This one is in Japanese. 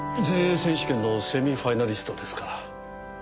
全英選手権のセミファイナリストですから。